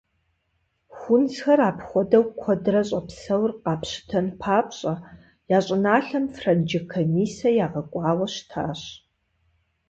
Хунзхэр апхуэдэу куэдрэ щӏэпсэур къапщытэн папщӏэ, я щӏыналъэм франджы комиссэ ягъэкӏуауэ щытащ.